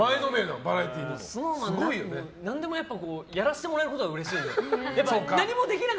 ＳｎｏｗＭａｎは何でもやらせてもらえることがうれしいので。